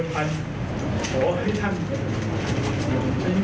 แสดงว่ากฆาตาชีวิต